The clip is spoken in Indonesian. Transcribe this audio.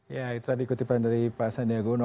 ya itu tadi ikutipan dari pak sandiaguno